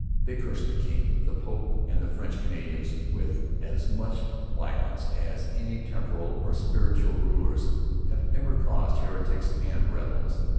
They cursed the king, the pope, and the French Canadians with as much violence as any temporal or spiritual rulers had ever cursed heretics and rebels.